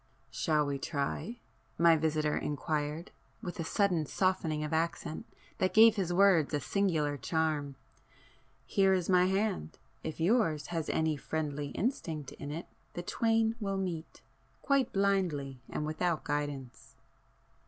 "Shall we try?" my visitor enquired, with a sudden softening of accent that gave his words a singular charm; "Here is my hand,—if yours has any friendly instinct in it the twain will meet,—quite blindly and without guidance!"